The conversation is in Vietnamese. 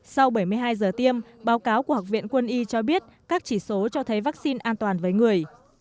sau bảy mươi hai giờ tiêm báo cáo của học viện quân y cho biết các chỉ số cho thấy vaccine an toàn với người